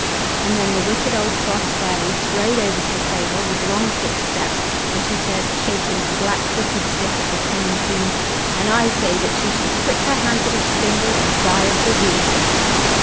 And then the wicked old cross fairy strode over to the cradle with long quick steps, and said, shaking her black crooked stick at the King and Queen: "And I say that she shall prick her hand with a spindle and die of the wound!"